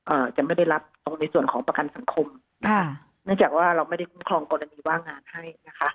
อาจจะไม่ได้รับตรงในส่วนของประกันสังคมนะคะเนื่องจากว่าเราไม่ได้คุ้มครองกรณีว่างงานให้นะคะ